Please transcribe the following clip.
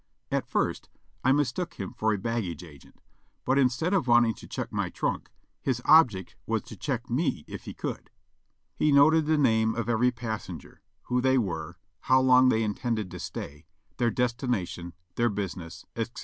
At first I mistook him for a baggage agent ; but instead of want ing to check my trunk, his object was to check me if he could. He noted the name of every passenger ; who they were ; how long they intended to stay ; their destination ; their business, etc.